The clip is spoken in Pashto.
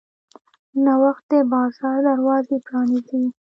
نوښت د بازار دروازې پرانیزي.